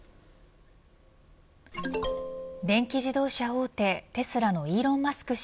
電気自動車大手テスラのイーロン・マスク